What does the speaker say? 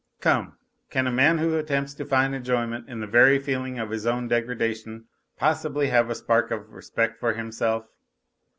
Come, can a man who attempts to find enjoyment in the very feeling of his own degradation possibly have a spark of respect for himself